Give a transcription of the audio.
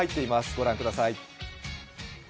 ご覧ください。